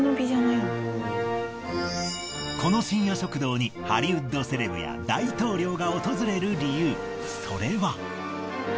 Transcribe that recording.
この深夜食堂にハリウッドセレブや大統領が訪れる理由それは。